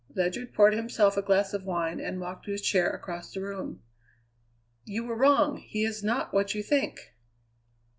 Ledyard poured himself a glass of wine and walked to his chair across the room. "You were wrong; he is not what you think."